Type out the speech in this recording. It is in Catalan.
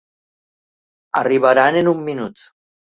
Arribaran en un minut!